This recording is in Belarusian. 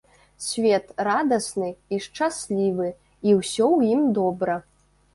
Свет радасны і шчаслівы, і ўсё ў ім добра.